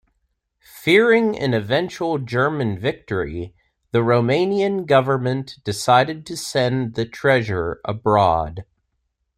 Fearing an eventual German victory, the Romanian government decided to send the Treasure abroad.